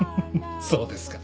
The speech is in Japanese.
そうですか。